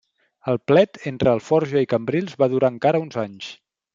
El plet entre Alforja i Cambrils va durar encara uns anys.